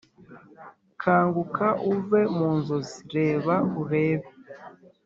"kanguka uve mu nzozi! reba urebe